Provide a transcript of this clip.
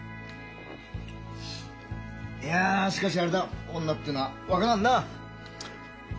いやしかしあれだ女ってのは分からんなうん。